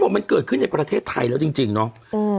มันเกิดขึ้นในประเทศไทยแล้วจริงเนาะ